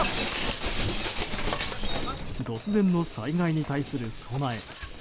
突然の災害に対する備え。